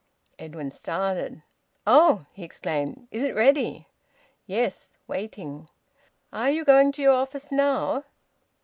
Edwin started. "Oh!" he exclaimed. "Is it ready?" "Yes. Waiting." "Are you going to your office now?"